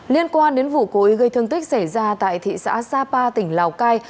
liên quan đến vụ cối gây thương tích xảy ra tại thị xã sapa tỉnh lào cai